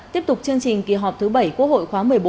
tiếp tục chương trình kỳ họp thứ bảy quốc hội khóa một mươi bốn